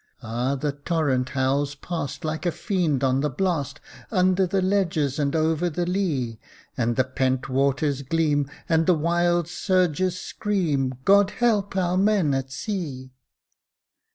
Ah! the torrent howls past, like a fiend on the blast, Under the ledges and over the lea; And the pent waters gleam, and the wild surges scream God help our men at sea!